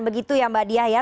begitu ya mbak diah ya